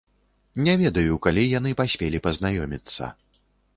Не ведаю, калі яны паспелі пазнаёміцца.